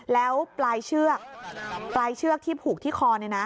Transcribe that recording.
แล้วปลายเชือกที่ผูกที่คอ